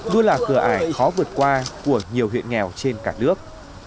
luôn là cửa ải khó vượt qua của nhiều huyện nghèo trên cả nước